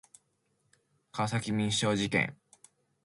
川崎民商事件